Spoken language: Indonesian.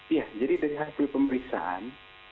iya jadi dari hasil pemeriksaan